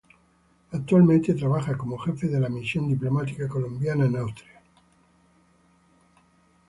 Actualmente trabaja como jefe de la misión diplomática colombiana en Austria.